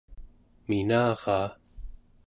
minaraa